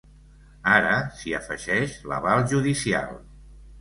Ara s’hi afegeix l’aval judicial.